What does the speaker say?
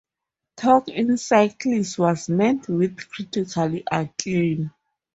"Talk in circles" was met with critical acclaim.